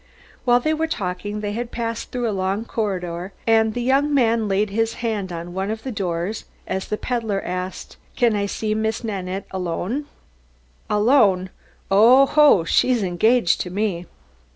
While they were talking, they had passed through a long corridor and the young man laid his hand on one of the doors as the peddler asked, "Can I see Miss Nanette alone?" "Alone? Oho, she's engaged to me!"